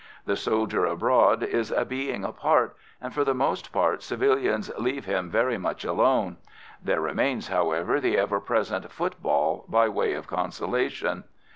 The soldier abroad is a being apart, and for the most part civilians leave him very much alone. There remains, however, the ever present football by way of consolation.